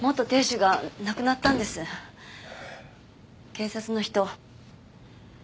警察の人。